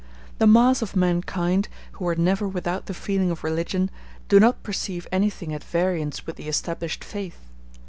The mass of mankind, who are never without the feeling of religion, do not perceive anything at variance with the established faith.